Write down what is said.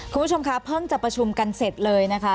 คุณผู้ชมคะเพิ่งจะประชุมกันเสร็จเลยนะคะ